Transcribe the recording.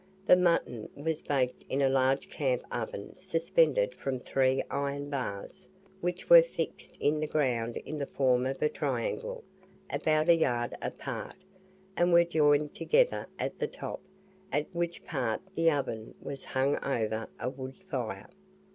The mutton was baked in a large camp oven suspended from three iron bars, which were fixed in the ground in the form of a triangle, about a yard apart, and were joined together at the top, at which part the oven was hung over a wood fire.